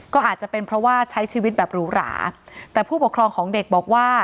ก็อาจจะเป็นเพราะว่าใช้ชีวิตแบบหรูหราแต่ผู้ปกครองของเด็กบอกว่า